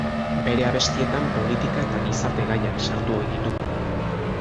Bere abestietan politika eta gizarte gaiak sartu ohi ditu.